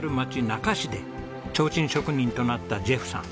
那珂市で提灯職人となったジェフさん。